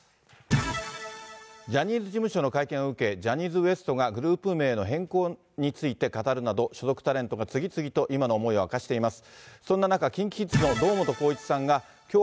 ジャニーズ事務所の会見を受け、ジャニーズＷＥＳＴが、グループ名の変更について語るなど、所属タレントが次々と今の思いを明かしています。